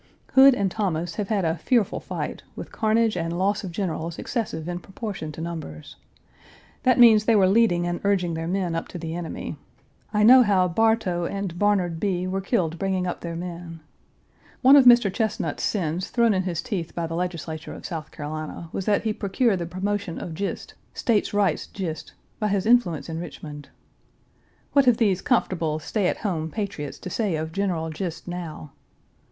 Hood and Thomas have had a fearful fight, with carnage and loss of generals excessive in proportion to numbers. That means they were leading and urging their men up to the enemy. I know how Bartow and Barnard Bee were killed bringing up their men. One of Mr. Chesnut's sins thrown in his teeth by the Legislature of South Carolina was that he procured the promotion of Gist, "State Rights" Gist, by his influence in Richmond. What have these comfortable, stay at home patriots to say of General Gist now?